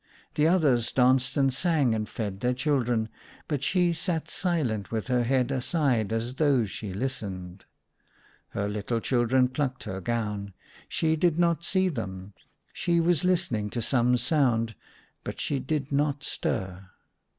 The others danced and sang and fed their children, but she sat silent with her head aside as though she listened. Her little children plucked her gown ; she did not see them ; she was listening to some sound, but she did not stir.